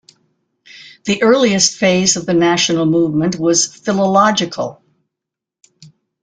The earliest phase of the national movement was philological.